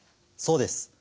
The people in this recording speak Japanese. そうです。